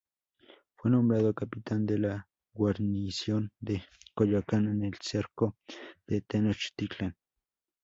Fue nombrado capitán de la guarnición de Coyoacán en el cerco de Tenochtitlan.